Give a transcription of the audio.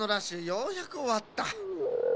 ようやくおわった。